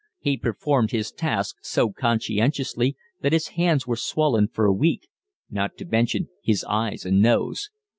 He performed his task so conscientiously that his hands were swollen for a week, not to mention his eyes and nose.